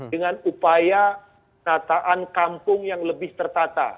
dengan upaya tataan kampung yang lebih tertata